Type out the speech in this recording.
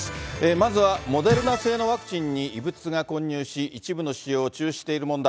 まずはモデルナ製のワクチンに異物が混入し、一部の使用を中止している問題。